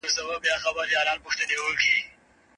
هغه د اصفهان په دربار کې رشوت خورو ته سوغاتونه ورکول.